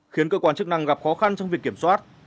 khiến cơ quan chức năng gặp khó khăn trong việc kiểm soát